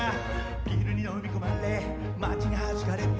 「ビルに飲み込まれ街にはじかれて」